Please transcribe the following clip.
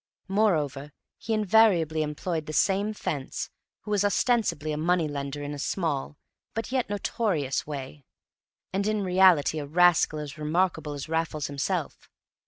Moreover, he invariably employed the same "fence," who was ostensibly a money lender in a small (but yet notorious) way, and in reality a rascal as remarkable as Raffles himself.